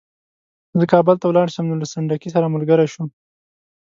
زه کابل ته ولاړ شم نو له سنډکي سره ملګری شوم.